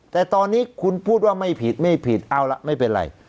แต่ตอนนี้คุณพูดว่าไม่ผิดไม่ผิดเอาละไม่เป็นไร